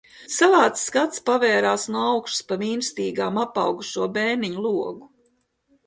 Savāds skats pavērās no augšas pa vīnstīgām apaugušo bēniņu logu.